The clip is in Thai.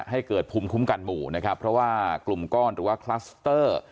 ให้เกิดภูมิคุ้มกันหมู่นะครับเพราะว่ากลุ่มก้อนหรือว่าคลัสเตอร์